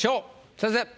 先生！